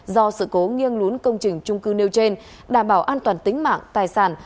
do sự cố nghiêng lún công trình trung cư nêu trên đảm bảo an toàn tính mạng tài sản